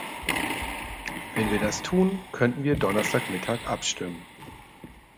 Wenn wir das tun, könnten wir Donnerstagmittag abstimmen.